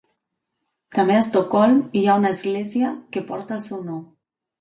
També a Estocolm hi ha una església que porta el seu nom.